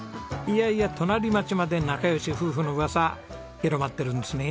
いやいや隣町まで仲良し夫婦の噂広まってるんですね。